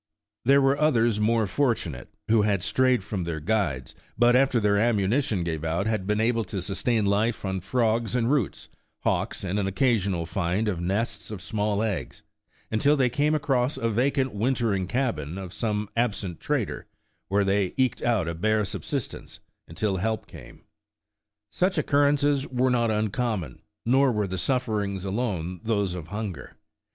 There were others more fortunate, who had strayed from their guides, but after their ammunition gave out had been able to sustain life on frogs and roots, hawks and an occasional find of nests of small eggs, until they came across a vacant wintering cabin of some absent trader, where they eked out a bare sub sistence until help came. Such occurrences were not uncommon, nor were the sufferings alone those of hunger.